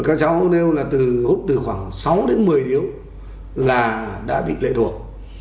các cháu nêu là từ hút từ khoảng sáu đến một mươi điếu là đã bị lệ thuộc